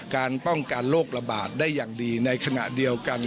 การป้องกันโรคระบาดได้อย่างดีในขณะเดียวกัน